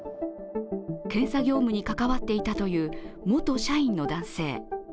検査業務に関わっていたという、元社員の男性。